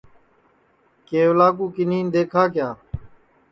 کیولا کُوکِنیں دیکھا کیا